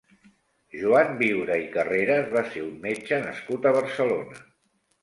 Joan Viura i Carreras va ser un metge nascut a Barcelona.